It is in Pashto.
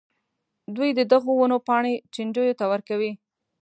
دوی د دغو ونو پاڼې چینجیو ته ورکوي.